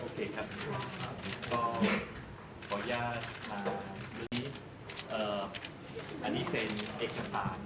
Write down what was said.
โอเคครับครับก็ขออนุญาตค่ะอันนี้อ่าอันนี้เป็นเอกสาร